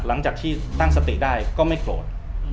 หลังจากที่ตั้งสติได้ก็ไม่โกรธ